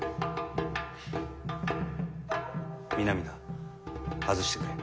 皆々外してくれ。